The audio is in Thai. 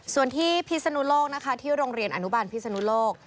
ส่วนที่พิศนุโลกนะคะที่โรงเรียนอนุบาลพิศนุโลก